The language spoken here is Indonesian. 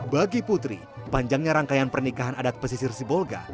bagi putri panjangnya rangkaian pernikahan adat pesisir sibolga